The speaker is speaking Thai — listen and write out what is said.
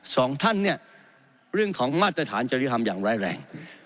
สองท่านเนี่ยเรื่องของมาตรฐานจริยธรรมอย่างร้ายแรง